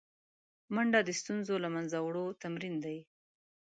منډه د ستونزو له منځه وړو تمرین دی